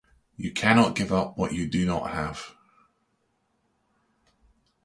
You cannot give up what you do not have.